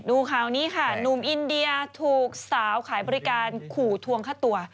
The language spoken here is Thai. ดูข่าวนี้ค่ะหนุ่มอินเดียถูกสาวขายบริการขู่ทวงฆ่าตัว